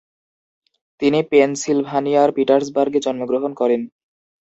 তিনি পেনসিলভানিয়ার পিটসবার্গে জন্মগ্রহণ করেন।